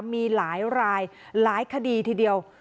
มีหลายรายหลายคดีทีเดียว